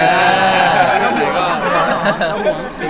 อ๋อแค่นั้นคนก็ฟีศกันแล้ว